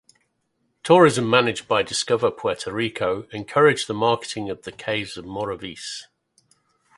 Tourism managed by Discover Puerto Rico encouraged the marketing of the caves in Morovis.